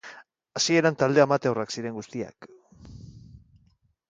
Hasieran talde amateurrak ziren guztiak.